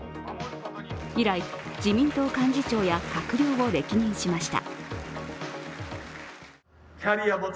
以来、自民党幹事長や閣僚を歴任しました。